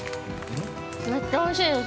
めっちゃおいしいです。